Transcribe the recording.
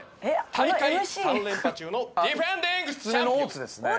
大会３連覇中のディフェンディングチャンピオン。